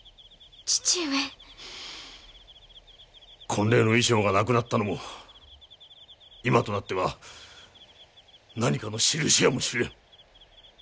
婚礼の衣装がなくなったのも今となっては何かのしるしやもしれぬ。